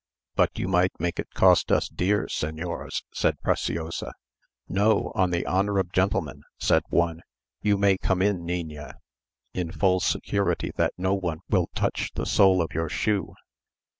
"But you might make it cost us dear, señors," said Preciosa. "No, on the honour of gentlemen," said one, "you may come in, niña, in full security that no one will touch the sole of your shoe.